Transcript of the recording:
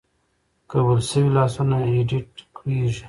قبول شوي لاسوندونه ایډیټ کیږي.